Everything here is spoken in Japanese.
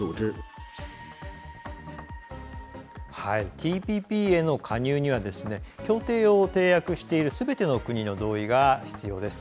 ＴＰＰへの加入には協定を締約しているすべての国の同意が必要です。